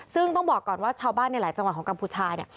ซึ่งต้องบอกก่อนว่าชาวบ้านในหลายจังหวัดของกัมพูชาเนี่ย